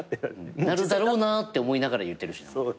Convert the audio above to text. なるだろうなって思いながら言ってるしね。